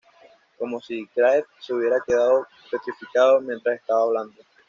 Como si De Graeff se hubiera quedado "petrificado" mientras estaba hablando.